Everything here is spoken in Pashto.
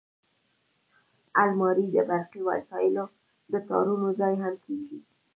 الماري د برقي وسایلو د تارونو ځای هم کېږي